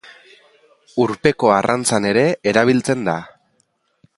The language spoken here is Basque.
Urpeko arrantzan ere erabiltzen da.